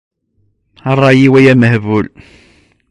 A ṛṛay-iw, ay amehbul.